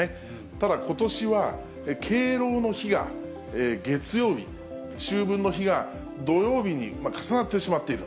ただ、ことしは敬老の日が月曜日、秋分の日が土曜日に重なってしまっている。